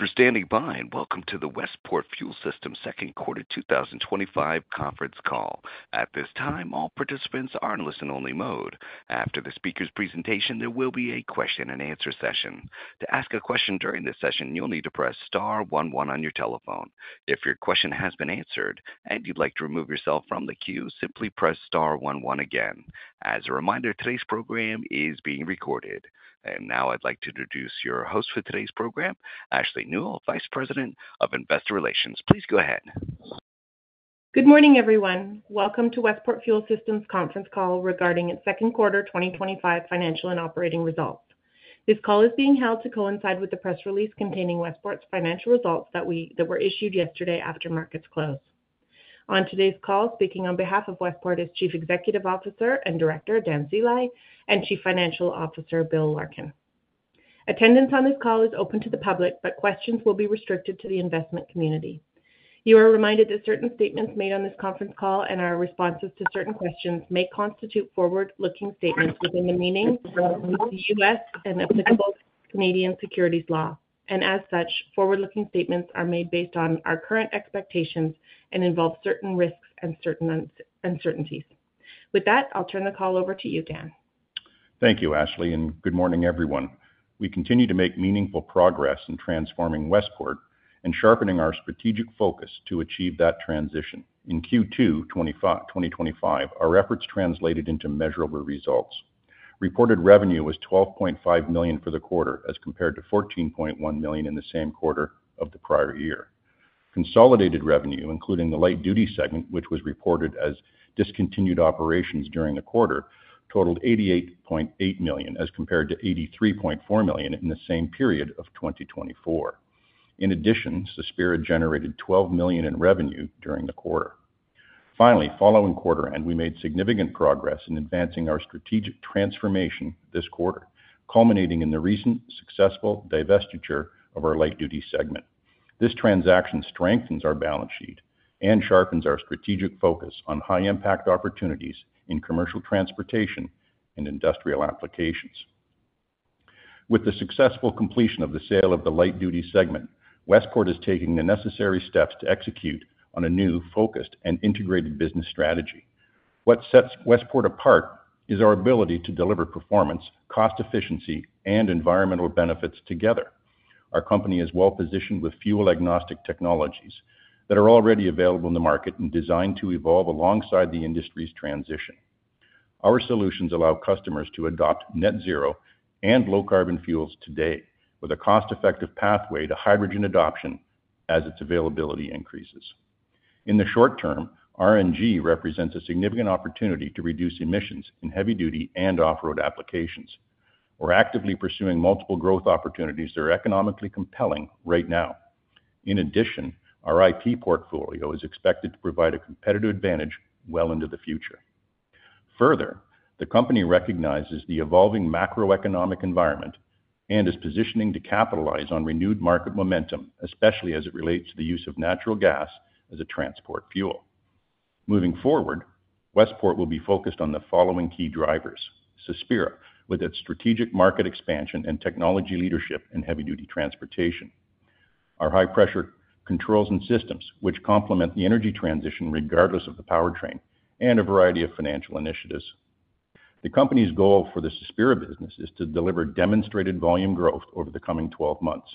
Thank you for standing by and welcome to the Westport Fuel Systems Second Quarter 2025 Conference Call. At this time, all participants are in listen-only mode. After the speaker's presentation, there will be a question-and-answer session. To ask a question during this session, you'll need to press Star one one on your telephone. If your question has been answered and you'd like to remove yourself from the queue, simply press Star one one again. As a reminder, today's program is being recorded. Now I'd like to introduce your host for today's program, Ashley Nuell, Vice President of Investor Relations. Please go ahead. Good morning, everyone. Welcome to Westport Fuel Systems' Conference Call regarding its second quarter 2025 financial and operating results. This call is being held to coincide with the press release containing Westport's financial results that were issued yesterday after markets closed. On today's call, speaking on behalf of Westport is Chief Executive Officer and Director Dan Zehle, and Chief Financial Officer Bill Larkin. Attendance on this call is open to the public, but questions will be restricted to the investment community. You are reminded that certain statements made on this conference call and our responses to certain questions may constitute forward-looking statements within the meanings of the U.S. and applicable Canadian securities law. As such, forward-looking statements are made based on our current expectations and involve certain risks and certain uncertainties. With that, I'll turn the call over to you, Dan. Thank you, Ashley, and good morning, everyone. We continue to make meaningful progress in transforming Westport and sharpening our strategic focus to achieve that transition. In Q2 2025, our efforts translated into measurable results. Reported revenue was $12.5 million for the quarter, as compared to $14.1 million in the same quarter of the prior year. Consolidated revenue, including the light-duty segment, which was reported as discontinued operations during the quarter, totaled $88.8 million as compared to $83.4 million in the same period of 2024. In addition, Sospira generated $12 million in revenue during the quarter. Finally, following quarter end, we made significant progress in advancing our strategic transformation this quarter, culminating in the recent successful divestiture of our light-duty segment. This transaction strengthens our balance sheet and sharpens our strategic focus on high-impact opportunities in commercial transportation and industrial applications. With the successful completion of the sale of the light-duty segment, Westport is taking the necessary steps to execute on a new, focused, and integrated business strategy. What sets Westport apart is our ability to deliver performance, cost efficiency, and environmental benefits together. Our company is well positioned with fuel-agnostic technologies that are already available in the market and designed to evolve alongside the industry's transition. Our solutions allow customers to adopt net zero and low carbon fuels today, with a cost-effective pathway to hydrogen adoption as its availability increases. In the short-term, RNG represents a significant opportunity to reduce emissions in heavy-duty and off-road applications. We're actively pursuing multiple growth opportunities that are economically compelling right now. In addition, our IP portfolio is expected to provide a competitive advantage well into the future. Further, the company recognizes the evolving macroeconomic environment and is positioning to capitalize on renewed market momentum, especially as it relates to the use of natural gas as a transport fuel. Moving forward, Westport will be focused on the following key drivers: Sospira, with its strategic market expansion and technology leadership in heavy-duty transportation; our high-pressure controls and systems, which complement the energy transition regardless of the powertrain; and a variety of financial initiatives. The company's goal for the Sospira business is to deliver demonstrated volume growth over the coming 12 months,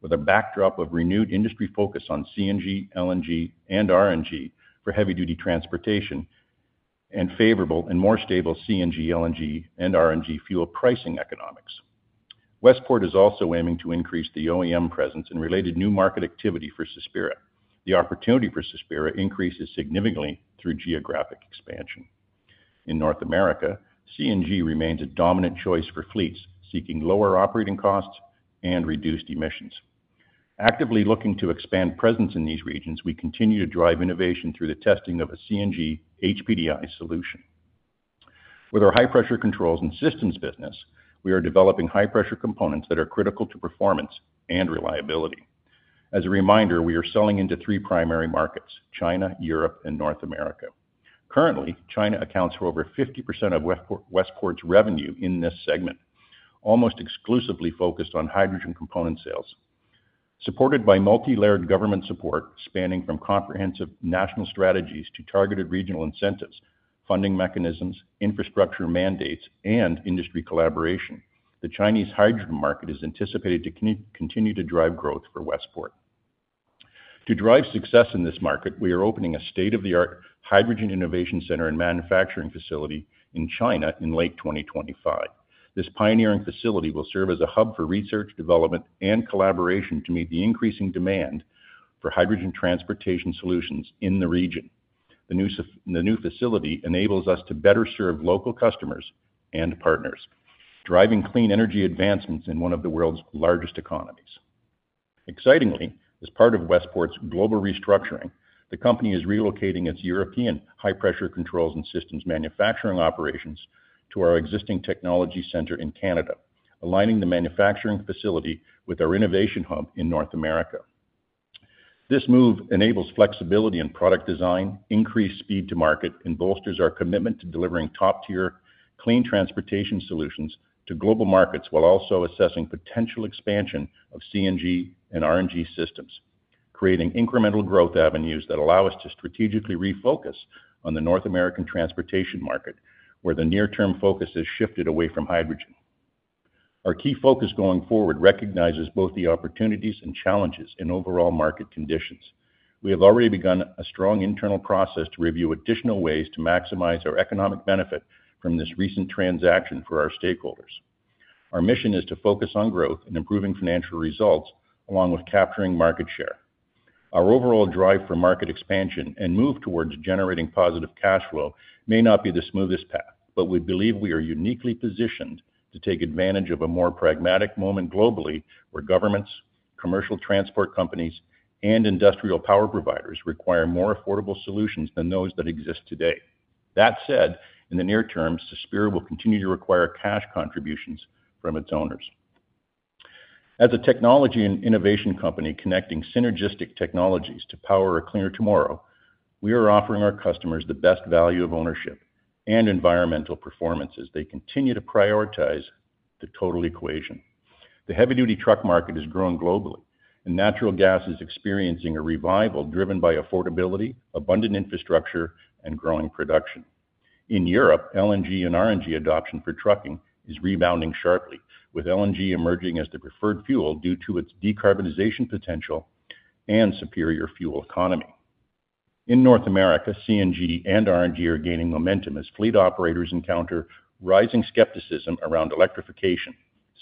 with a backdrop of renewed industry focus on CNG, LNG, and RNG for heavy-duty transportation and favorable and more stable CNG, LNG, and RNG fuel pricing economics. Westport is also aiming to increase the OEM presence in related new market activity for Sospira. The opportunity for Sospira increases significantly through geographic expansion. In North America, CNG remains a dominant choice for fleets seeking lower operating costs and reduced emissions. Actively looking to expand presence in these regions, we continue to drive innovation through the testing of a CNG HPDI solution. With our high-pressure controls and systems business, we are developing high-pressure components that are critical to performance and reliability. As a reminder, we are selling into three primary markets: China, Europe, and North America. Currently, China accounts for over 50% of Westport's revenue in this segment, almost exclusively focused on hydrogen component sales. Supported by multi-layered government support spanning from comprehensive national strategies to targeted regional incentives, funding mechanisms, infrastructure mandates, and industry collaboration, the Chinese hydrogen market is anticipated to continue to drive growth for Westport. To drive success in this market, we are opening a state-of-the-art hydrogen innovation center and manufacturing facility in China in late 2025. This pioneering facility will serve as a hub for research, development, and collaboration to meet the increasing demand for hydrogen transportation solutions in the region. The new facility enables us to better serve local customers and partners, driving clean energy advancements in one of the world's largest economies. Excitingly, as part of Westport's global restructuring, the company is relocating its European high-pressure controls and systems manufacturing operations to our existing technology center in Canada, aligning the manufacturing facility with our innovation hub in North America. This move enables flexibility in product design, increased speed to market, and bolsters our commitment to delivering top-tier clean transportation solutions to global markets while also assessing potential expansion of CNG and RNG systems, creating incremental growth avenues that allow us to strategically refocus on the North American transportation market, where the near-term focus has shifted away from hydrogen. Our key focus going forward recognizes both the opportunities and challenges in overall market conditions. We have already begun a strong internal process to review additional ways to maximize our economic benefit from this recent transaction for our stakeholders. Our mission is to focus on growth and improving financial results, along with capturing market share. Our overall drive for market expansion and move towards generating positive cash flow may not be the smoothest path, but we believe we are uniquely positioned to take advantage of a more pragmatic moment globally where governments, commercial transport companies, and industrial power providers require more affordable solutions than those that exist today. That said, in the near term, Sospira will continue to require cash contributions from its owners. As a technology and innovation company connecting synergistic technologies to power a cleaner tomorrow, we are offering our customers the best value of ownership and environmental performance as they continue to prioritize the total equation. The heavy-duty truck market is growing globally, and natural gas is experiencing a revival driven by affordability, abundant infrastructure, and growing production. In Europe, LNG and RNG adoption for trucking is rebounding sharply, with LNG emerging as the preferred fuel due to its decarbonization potential and superior fuel economy. In North America, CNG and RNG are gaining momentum as fleet operators encounter rising skepticism around electrification,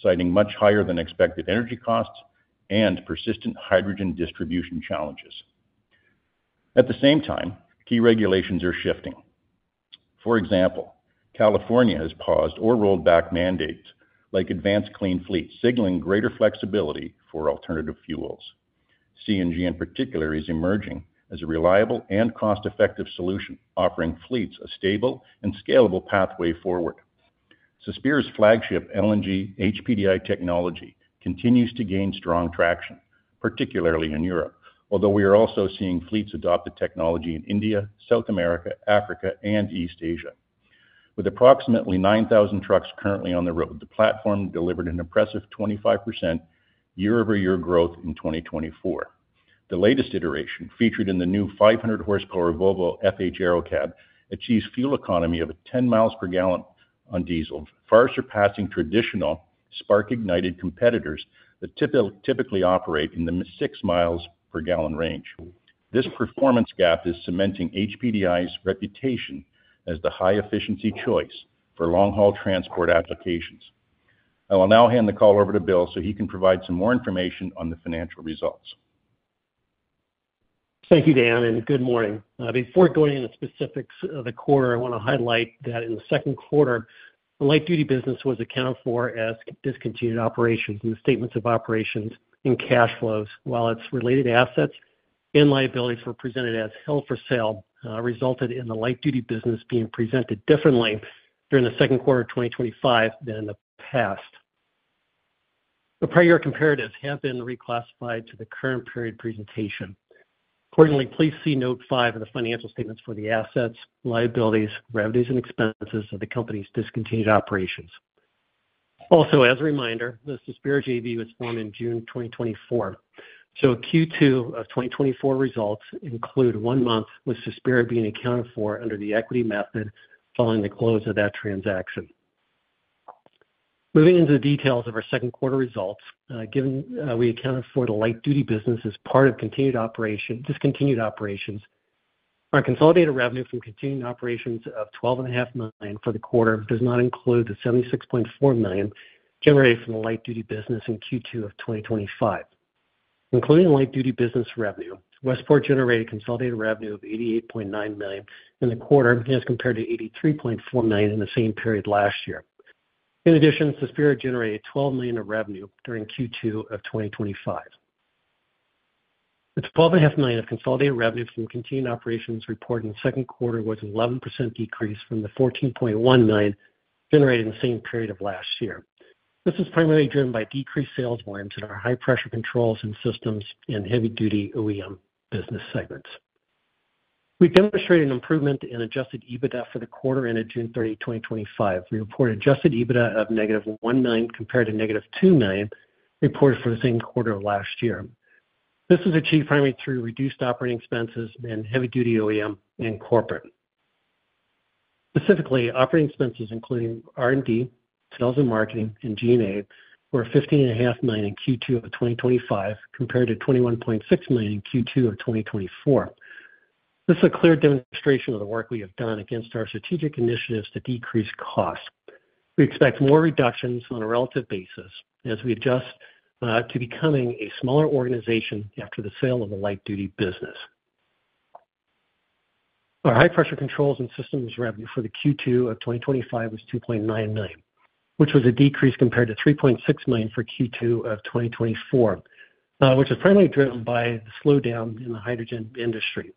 citing much higher than expected energy costs and persistent hydrogen distribution challenges. At the same time, key regulations are shifting. For example, California has paused or rolled back mandates like advanced clean fleets, signaling greater flexibility for alternative fuels. CNG, in particular, is emerging as a reliable and cost-effective solution, offering fleets a stable and scalable pathway forward. Sospira's flagship LNG HPDI technology continues to gain strong traction, particularly in Europe, although we are also seeing fleets adopt the technology in India, South America, Africa, and East Asia. With approximately 9,000 trucks currently on the road, the platform delivered an impressive 25% year-over-year growth in 2024. The latest iteration, featured in the new 500-horsepower Volvo FH Aerocab, achieves fuel economy of 10 mi per gallon on diesel, far surpassing traditional spark-ignited competitors that typically operate in the six miles per gallon range. This performance gap is cementing HPDI's reputation as the high-efficiency choice for long-haul transport applications. I will now hand the call over to Bill so he can provide some more information on the financial results. Thank you, Dan, and good morning. Before going into the specifics of the quarter, I want to highlight that in the second quarter, the light-duty business was accounted for as discontinued operations in the statements of operations and cash flows, while its related assets and liabilities were presented as held for sale, resulting in the light-duty business being presented differently during the second quarter of 2025 than in the past. The prior year comparatives have been reclassified to the current period presentation. Accordingly, please see note five of the financial statements for the assets, liabilities, revenues, and expenses of the company's discontinued operations. Also, as a reminder, the Sospira JV was formed in June 2024. Q2 of 2024 results include one month with Sospira being accounted for under the equity method following the close of that transaction. Moving into the details of our second quarter results, given we accounted for the light-duty business as part of continued operations, our consolidated revenue from continued operations of $12.5 million for the quarter does not include the $76.4 million generated from the light-duty business in Q2 of 2025. Including the light-duty business revenue, Westport generated consolidated revenue of $88.9 million in the quarter, as compared to $83.4 million in the same period last year. In addition, Sospira generated $12 million in revenue during Q2 of 2025. The $12.5 million of consolidated revenue from continued operations reported in the second quarter was an 11% decrease from the $14.1 million generated in the same period of last year. This is primarily driven by decreased sales volumes in our high-pressure controls and systems and heavy-duty OEM business segments. We've demonstrated an improvement in adjusted EBITDA for the quarter ended June 30, 2025. We reported an adjusted EBITDA of -$1 million compared to -$2 million reported for the same quarter of last year. This was achieved primarily through reduced operating expenses in heavy-duty OEM and corporate. Specifically, operating expenses including R&D, sales and marketing, and G&A were $15.5 million in Q2 of 2025 compared to $21.6 million in Q2 of 2024. This is a clear demonstration of the work we have done against our strategic initiatives to decrease costs. We expect more reductions on a relative basis as we adjust to becoming a smaller organization after the sale of the light-duty business. Our high-pressure controls and systems revenue for Q2 of 2025 was $2.9 million, which was a decrease compared to $3.6 million for Q2 of 2024, which is primarily driven by the slowdown in the hydrogen industry.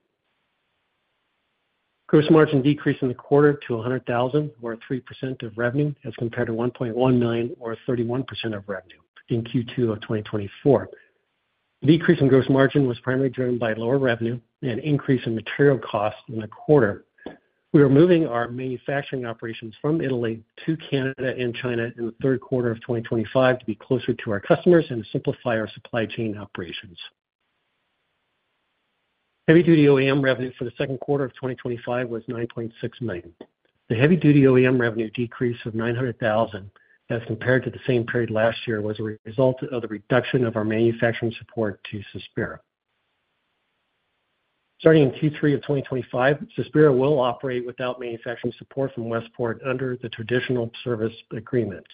Gross margin decreased in the quarter to $100,000 or 3% of revenue as compared to $1.1 million or 31% of revenue in Q2 of 2024. The decrease in gross margin was primarily driven by lower revenue and an increase in material costs in the quarter. We are moving our manufacturing operations from Italy to Canada and China in the third quarter of 2025 to be closer to our customers and to simplify our supply chain operations. Heavy-duty OEM revenue for the second quarter of 2025 was $9.6 million. The heavy-duty OEM revenue decrease of $900,000 as compared to the same period last year was a result of the reduction of our manufacturing support to Sospira. Starting in Q3 of 2025, Sospira will operate without manufacturing support from Westport under the traditional service agreements.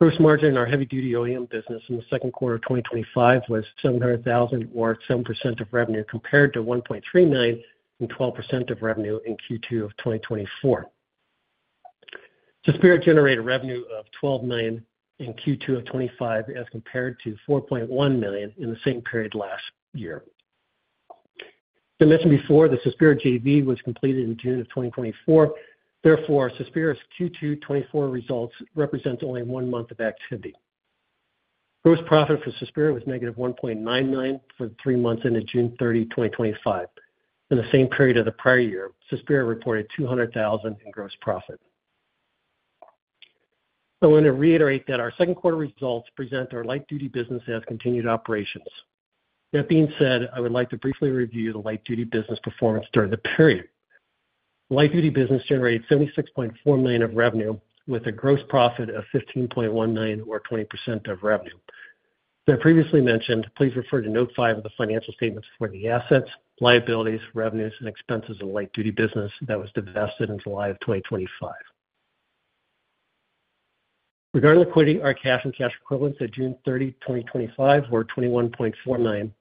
Gross margin in our heavy-duty OEM business in the second quarter of 2025 was $700,000 or 7% of revenue compared to $1.3 million and 12% of revenue in Q2 of 2024. Sospira generated revenue of $12 million in Q2 of 2025 as compared to $4.1 million in the same period last year. As I mentioned before, the Sospira JV was completed in June of 2024. Therefore, Sospira's Q2 2024 results represent only one month of activity. Gross profit for Sospira was -$1.9 million for the three months ended June 30, 2025. In the same period of the prior year, Sospira reported $200,000 in gross profit. I want to reiterate that our second quarter results present our light-duty business as continued operations. That being said, I would like to briefly review the light-duty business performance during the period. The light-duty business generated $76.4 million of revenue with a gross profit of $15.1 million or 20% of revenue. As I previously mentioned, please refer to note five of the financial statements for the assets, liabilities, revenues, and expenses of the light-duty business that was divested in July of 2025. Regarding liquidity, our cash and cash equivalents at June 30, 2025 were $21.4 million,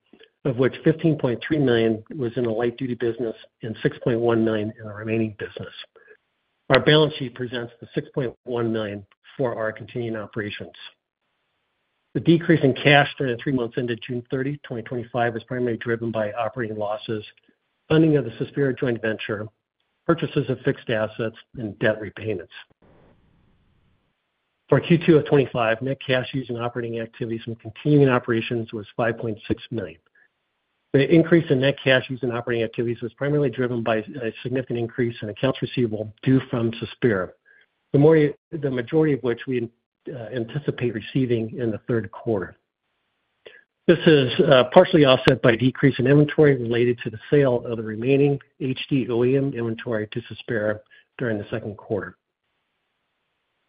of which $15.3 million was in the light-duty business and $6.1 million in the remaining business. Our balance sheet presents the $6.1 million for our continuing operations. The decrease in cash during the three months ended June 30, 2025, is primarily driven by operating losses, funding of the Sospira joint venture, purchases of fixed assets, and debt repayments. For Q2 of 2025, net cash used in operating activities and continuing operations was $5.6 million. The increase in net cash used in operating activities was primarily driven by a significant increase in accounts receivable due from Sospira, the majority of which we anticipate receiving in the third quarter. This is partially offset by a decrease in inventory related to the sale of the remaining heavy-duty OEM inventory to Sospira during the second quarter.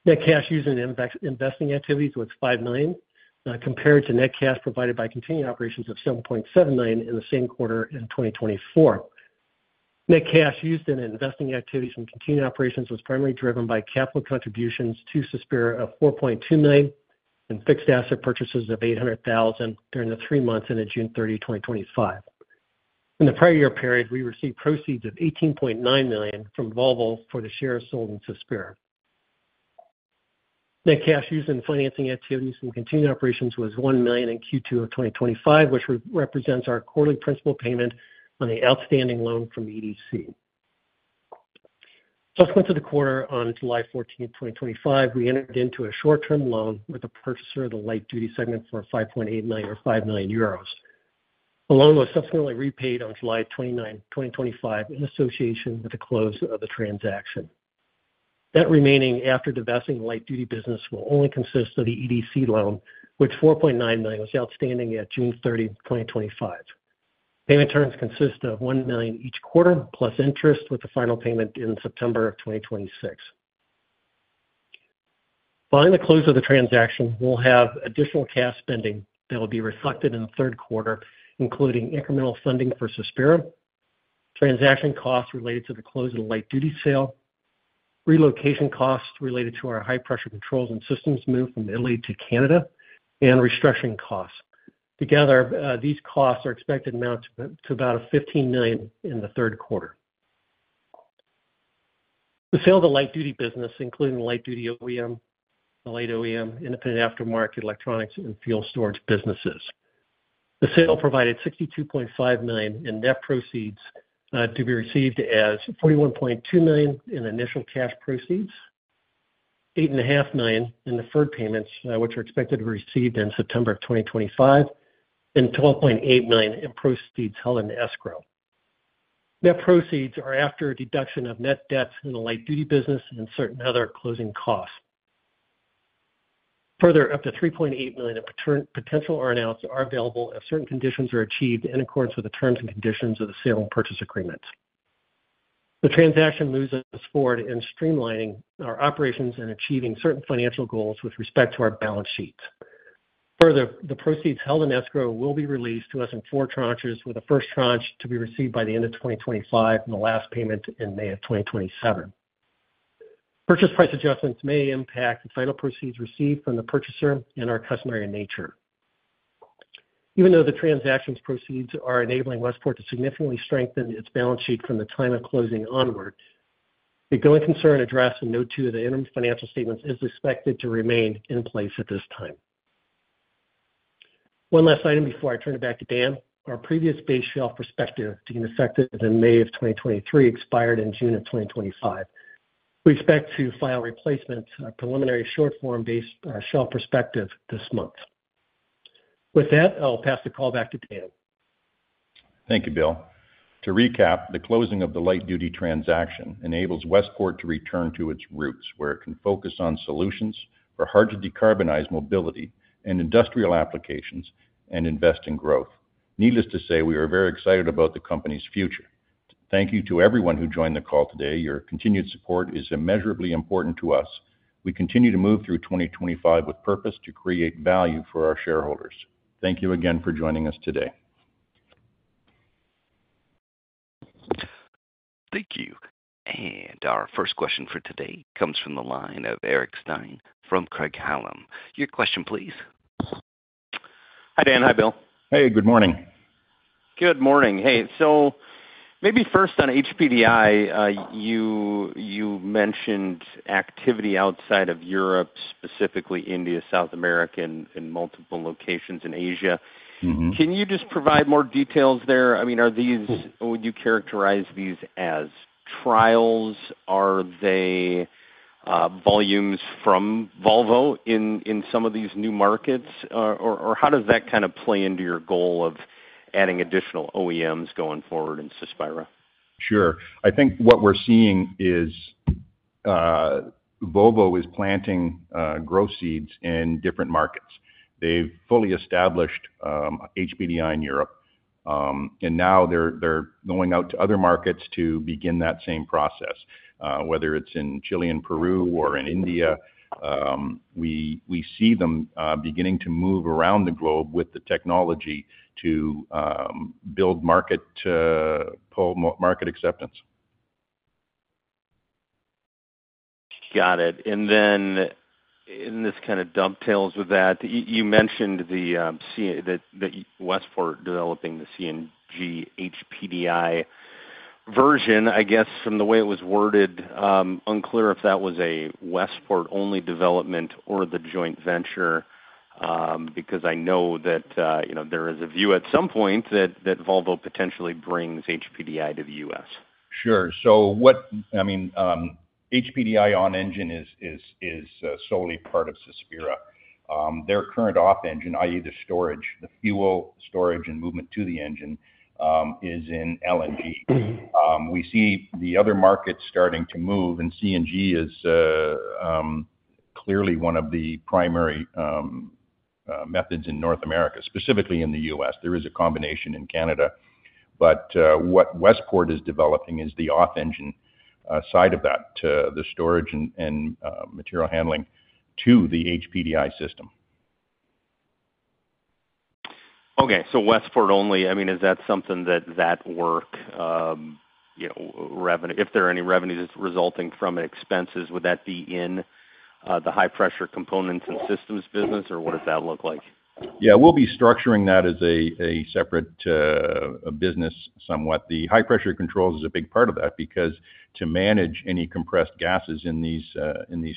Net cash used in investing activities was $5 million, compared to net cash provided by continuing operations of $7.7 million in the same quarter in 2024. Net cash used in investing activities and continuing operations was primarily driven by capital contributions to Sospira of $4.2 million and fixed asset purchases of $800,000 during the three months ended June 30, 2025. In the prior year period, we received proceeds of $18.9 million from Volvo for the shares sold in Sospira. Net cash used in financing activities and continuing operations was $1 million in Q2 of 2025, which represents our quarterly principal payment on the outstanding loan from EDC. Subsequent to the quarter, on July 14, 2025, we entered into a short-term loan with a purchaser of the light-duty segment for $5.8 million or €5 million. The loan was subsequently repaid on July 29, 2025, in association with the close of the transaction. That remaining after divesting the light-duty business will only consist of the EDC loan, which $4.9 million was outstanding at June 30, 2025. Payment terms consist of $1 million each quarter plus interest, with the final payment in September of 2026. Following the close of the transaction, we'll have additional cash spending that will be reflected in the third quarter, including incremental funding for Sospira, transaction costs related to the close of the light-duty sale, relocation costs related to our high-pressure controls and systems moved from Italy to Canada, and restructuring costs. Together, these costs are expected to amount to about $15 million in the third quarter. The sale of the light-duty business, including the light-duty OEM, the light OEM, independent aftermarket electronics, and fuel storage businesses. The sale provided $62.5 million in net proceeds to be received as $41.2 million in initial cash proceeds, $8.5 million in deferred payments, which are expected to be received in September of 2025, and $12.8 million in proceeds held in escrow. Net proceeds are after a deduction of net debts in the light-duty business and certain other closing costs. Further, up to $3.8 million in potential earn-out proceeds are available if certain conditions are achieved in accordance with the terms and conditions of the sale and purchase agreements. The transaction moves us forward in streamlining our operations and achieving certain financial goals with respect to our balance sheet. Further, the proceeds held in escrow will be released to us in four tranches, with the first tranche to be received by the end of 2025 and the last payment in May of 2027. Purchase price adjustments may impact the final proceeds received from the purchaser and are customary in nature. Even though the transaction's proceeds are enabling Westport to significantly strengthen its balance sheet from the time of closing onward, the going concern addressed in Note two of the interim financial statements is expected to remain in place at this time. One last item before I turn it back to Dan. Our previous base shelf prospectus to be inspected in May of 2023 expired in June of 2025. We expect to file a replacement preliminary short form base shelf prospectus this month. With that, I'll pass the call back to Dan. Thank you, Bill. To recap, the closing of the light-duty transaction enables Westport to return to its roots, where it can focus on solutions for hard-to-decarbonize mobility and industrial applications and invest in growth. Needless to say, we are very excited about the company's future. Thank you to everyone who joined the call today. Your continued support is immeasurably important to us. We continue to move through 2025 with purpose to create value for our shareholders. Thank you again for joining us today. Thank you. Our first question for today comes from the line of Eric Stine from Craig-Hallum. Your question, please. Hi, Dan. Hi, Bill. Hey, good morning. Good morning. Maybe first on HPDI, you mentioned activity outside of Europe, specifically India, South America, and multiple locations in Asia. Can you just provide more details there? Are these, would you characterize these as trials? Are they volumes from Volvo in some of these new markets, or how does that kind of play into your goal of adding additional OEMs going forward in Sospira? Sure. I think what we're seeing is Volvo is planting growth seeds in different markets. They've fully established HPDI in Europe, and now they're going out to other markets to begin that same process. Whether it's in Chile and Peru or in India, we see them beginning to move around the globe with the technology to build market acceptance. Got it. This kind of dovetails with that. You mention ed Westport developing the CNG HPDI version. I guess from the way it was worded, unclear if that was a Westport-only development or the joint venture, because I know that there is a view at some point that Volvo potentially brings HPDI to the U.S. Sure. What I mean, HPDI on-engine is solely part of Sospira. Their current off-engine, i.e., the storage, the fuel storage, and movement to the engine is in LNG. We see the other markets starting to move, and CNG is clearly one of the primary methods in North America, specifically in the U.S. There is a combination in Canada, but what Westport is developing is the off-engine side of that, the storage and material handling to the HPDI system. Okay. Westport only, I mean, is that something that would work, you know, if there are any revenues resulting from it, expenses, would that be in the high-pressure controls and systems business, or what does that look like? We'll be structuring that as a separate business somewhat. The high-pressure controls is a big part of that because to manage any compressed gases in these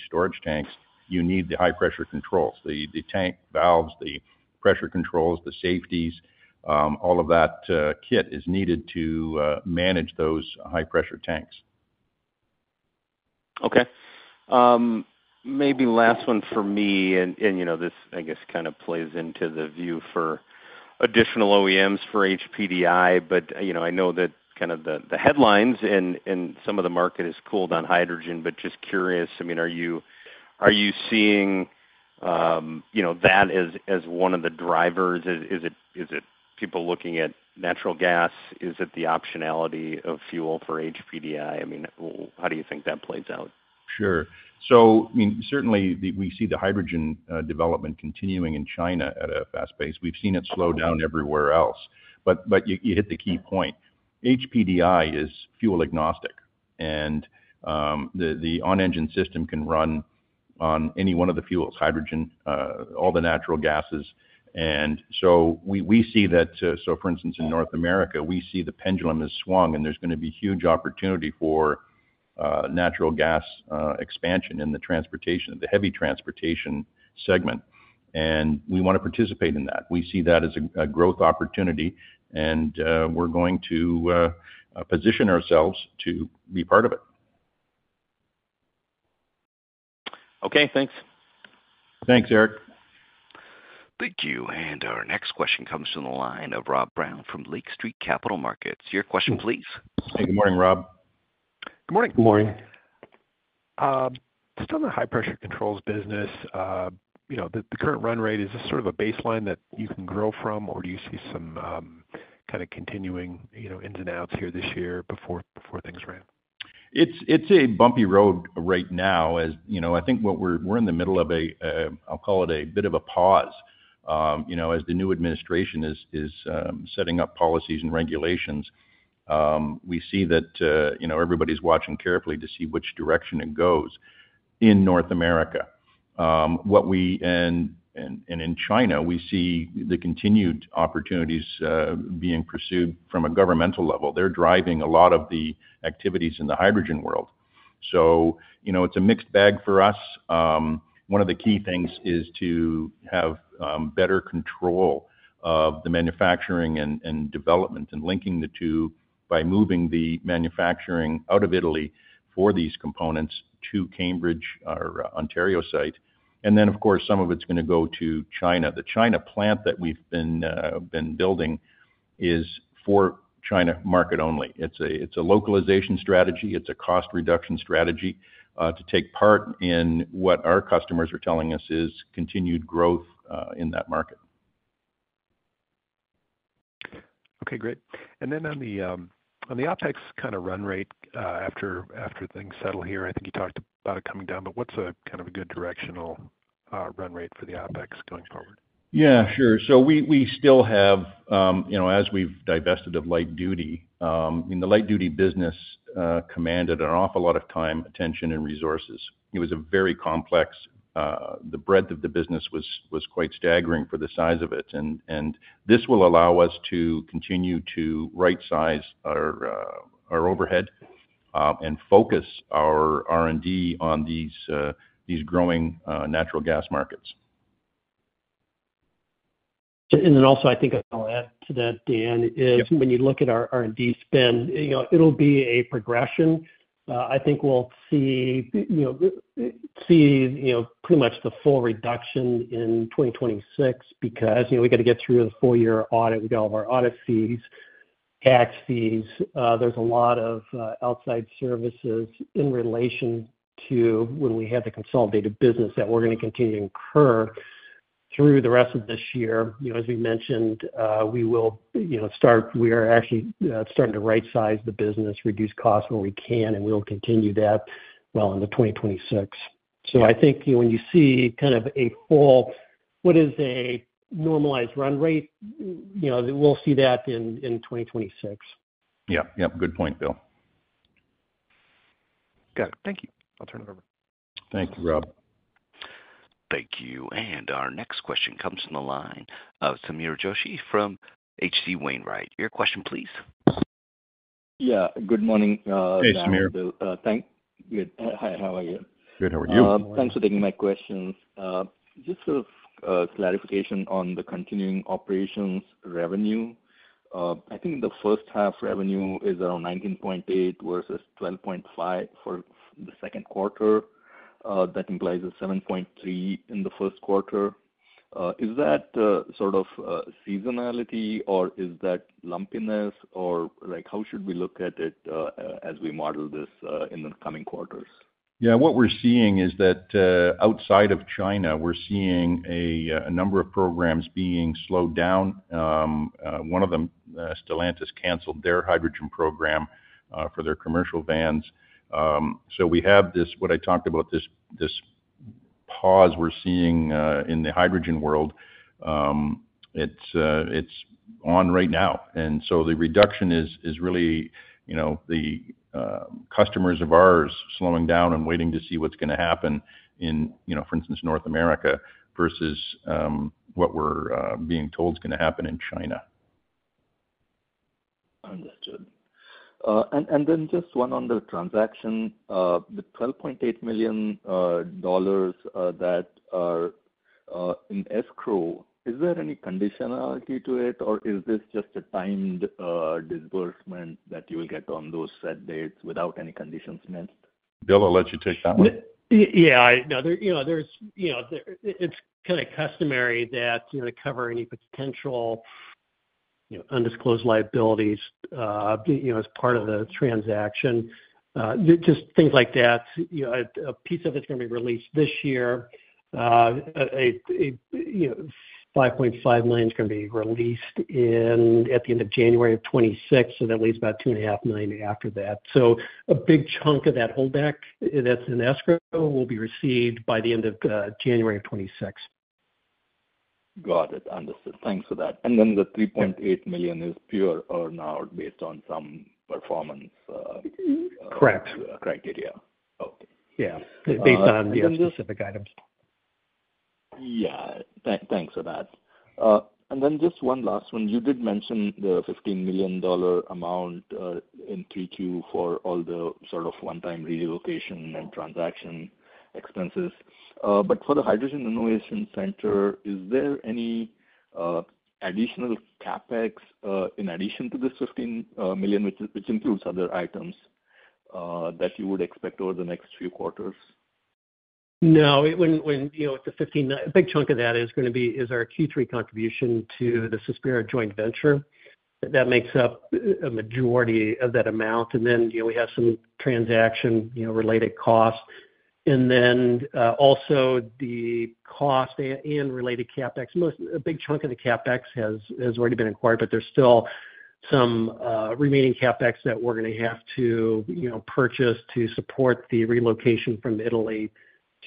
storage tanks, you need the high-pressure controls. The tank valves, the pressure controls, the safeties, all of that kit is needed to manage those high-pressure tanks. Okay. Maybe last one for me, and you know this, I guess, kind of plays into the view for additional OEMs for HPDI, but you know I know that kind of the headlines and some of the market has cooled on hydrogen, but just curious, I mean, are you seeing that as one of the drivers? Is it people looking at natural gas? Is it the optionality of fuel for HPDI? I mean, how do you think that plays out? Sure. Certainly, we see the hydrogen development continuing in China at a fast pace. We've seen it slow down everywhere else, but you hit the key point. HPDI is fuel agnostic, and the on-engine system can run on any one of the fuels, hydrogen, all the natural gases. We see that, for instance, in North America, the pendulum has swung, and there's going to be huge opportunity for natural gas expansion in the transportation, the heavy transportation segment. We want to participate in that. We see that as a growth opportunity, and we're going to position ourselves to be part of it. Okay, thanks. Thanks, Eric. Thank you. Our next question comes from the line of Rob Brown from Lake Street Capital Markets. Your question, please. Hey, good morning, Rob. Good morning. Good morning. On the high-pressure controls business, the current run rate, is this sort of a baseline that you can grow from, or do you see some kind of continuing ins and outs here this year before things ramp? It's a bumpy road right now, as you know. I think we're in the middle of a, I'll call it a bit of a pause. As the new administration is setting up policies and regulations, we see that everybody's watching carefully to see which direction it goes in North America. In China, we see the continued opportunities being pursued from a governmental level. They're driving a lot of the activities in the hydrogen world. It's a mixed bag for us. One of the key things is to have better control of the manufacturing and development and linking the two by moving the manufacturing out of Italy for these components to Cambridge or Ontario site. Some of it's going to go to China. The China plant that we've been building is for China market only. It's a localization strategy. It's a cost reduction strategy to take part in what our customers are telling us is continued growth in that market. Okay, great. On the OpEx kind of run rate after things settle here, I think you talked about it coming down. What's a kind of a good directional run rate for the OpEx going forward? Yeah, sure. As we've divested of light-duty, I mean, the light-duty business commanded an awful lot of time, attention, and resources. It was very complex, the breadth of the business was quite staggering for the size of it. This will allow us to continue to right size our overhead and focus our R&D on these growing natural gas markets. I think I'll add to that, Dan, when you look at our R&D spend, it'll be a progression. I think we'll see pretty much the full reduction in 2026 because we got to get through the full year audit. We got all of our audit fees, tax fees. There's a lot of outside services in relation to when we have the consolidated business that we're going to continue to incur through the rest of this year. As we mentioned, we will start, we are actually starting to right size the business, reduce costs where we can, and we'll continue that well into 2026. I think when you see kind of a whole, what is a normalized run rate, we'll see that in 2026. Yeah, good point, Bill. Got it. Thank you. I'll turn it over. Thank you, Rob. Thank you. Our next question comes from the line of Sameer Joshi from H.C. Wainwright. Your question, please. Good morning. Hey, Sameer. Thanks. Hi, how are you? Good, how are you? Thanks for taking my question. Just a clarification on the continuing operations revenue. I think in the first half, revenue is around $19.8 million versus $12.5 million for the second quarter. That implies $7.3 million in the first quarter. Is that sort of seasonality, or is that lumpiness, or like how should we look at it as we model this in the coming quarters? Yeah, what we're seeing is that outside of China, we're seeing a number of programs being slowed down. One of them, Stellantis canceled their hydrogen program for their commercial vans. We have this, what I talked about, this pause we're seeing in the hydrogen world. It's on right now. The reduction is really, you know, the customers of ours slowing down and waiting to see what's going to happen in, you know, for instance, North America versus what we're being told is going to happen in China. Understood. Just one on the transaction, the $12.8 million that are in escrow. Is there any conditionality to it, or is this just a timed disbursement that you will get on those set dates without any conditions met? Bill, I'll let you take that one. Yeah, no, it's kind of customary to cover any potential undisclosed liabilities as part of the transaction, just things like that. A piece of it is going to be released this year. $5.5 million is going to be released at the end of January 2026, and that leaves about $2.5 million after that. A big chunk of that holdback that's in escrow will be received by the end of January 2026. Got it. Understood. Thanks for that. The $3.8 million is pure earn-out based on some performance. Correct. Criteria. Yeah, based on specific items. Thank you for that. Just one last one. You did mention the $15 million amount in Q2 for all the sort of one-time relocation and transaction expenses. For the hydrogen innovation center, is there any additional CapEx in addition to this $15 million, which includes other items that you would expect over the next few quarters? No. It's a $15 million, a big chunk of that is going to be our Q3 contribution to the Sospira joint venture. That makes up a majority of that amount. We have some transaction-related costs, and also the cost and related CapEx. A big chunk of the CapEx has already been acquired, but there's still some remaining CapEx that we're going to have to purchase to support the relocation from Italy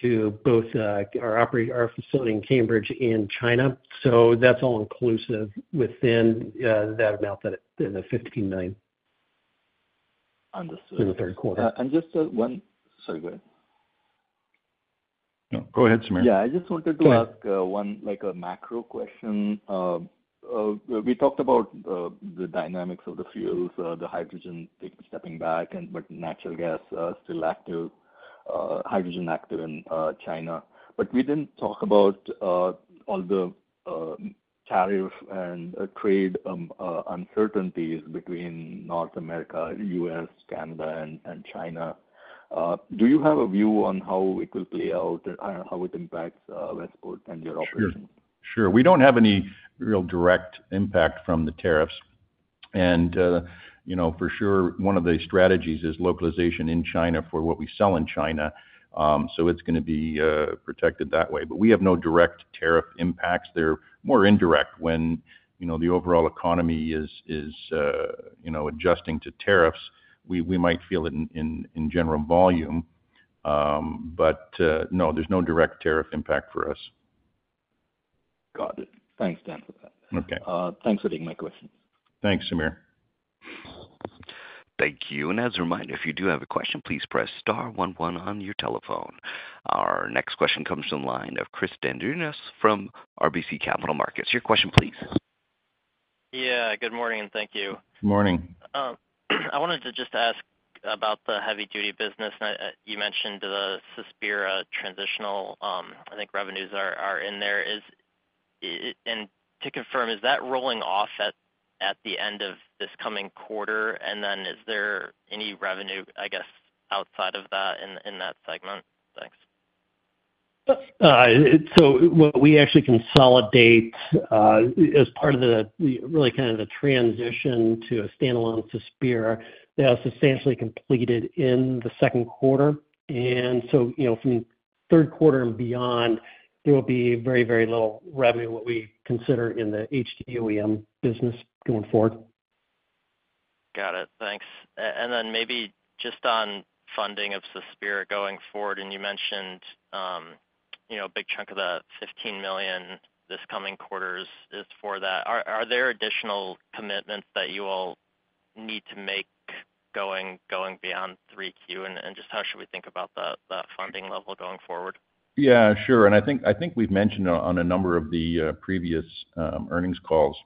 to both our facility in Cambridge and China. That's all inclusive within that amount, in the $15 million. Understood. In the third quarter. Just one, sorry, go ahead. Go ahead, Sameer. Yeah, I just wanted to ask one, like a macro question. We talked about the dynamics of the fuels, the hydrogen stepping back, and natural gas is still active, hydrogen active in China. We didn't talk about all the tariff and trade uncertainties between North America, U.S., Canada, and China. Do you have a view on how it will play out and how it impacts Westport and your operations? Sure. We don't have any real direct impact from the tariffs. For sure, one of the strategies is localization in China for what we sell in China. It's going to be protected that way. We have no direct tariff impacts. They're more indirect when the overall economy is adjusting to tariffs. We might feel it in general volume. No, there's no direct tariff impact for us. Got it. Thanks, Dan, for that. Okay. Thanks for taking my question. Thanks, Sameer. Thank you. As a reminder, if you do have a question, please press star one one on your telephone. Our next question comes from the line of Chris Dendrinos from RBC Capital Markets. Your question, please. Good morning and thank you. Good morning. I wanted to just ask about the heavy-duty business. You mentioned the Sospira transitional, I think revenues are in there. To confirm, is that rolling off at the end of this coming quarter? Is there any revenue, I guess, outside of that in that segment? Thanks. What we actually consolidate as part of the really kind of the transition to a standalone Sospira, that was substantially completed in the second quarter. From the third quarter and beyond, there will be very, very little revenue what we consider in the heavy-duty OEM business going forward. Got it. Thanks. Maybe just on funding of Sospira going forward, you mentioned a big chunk of that $15 million this coming quarter is for that. Are there additional commitments that you all need to make going beyond 3Q? How should we think about that funding level going forward? Yeah, sure. I think we've mentioned on a number of the previous earnings calls,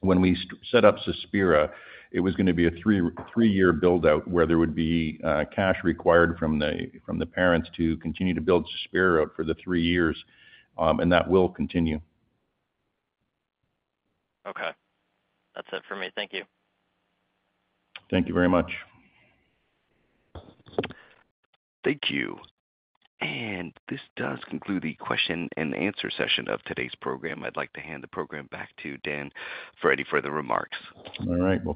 when we set up Sospira, it was going to be a three-year build-out where there would be cash required from the parents to continue to build Sospira for the three years. That will continue. Okay. That's it for me. Thank you. Thank you very much. Thank you. This does conclude the question-and-answer session of today's program. I'd like to hand the program back to Dan for any further remarks.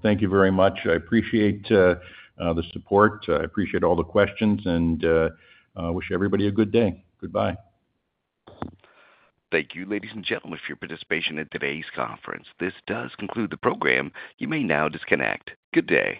Thank you very much. I appreciate the support. I appreciate all the questions, and I wish everybody a good day. Goodbye. Thank you, ladies and gentlemen, for your participation in today's conference. This does conclude the program. You may now disconnect. Good day.